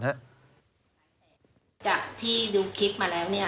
จากที่ดูคลิปมาแล้ว